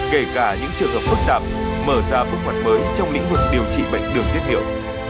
kể cả những trường hợp phức tạp mở ra bước hoạt mới trong lĩnh vực điều trị bệnh đường tiết hiệu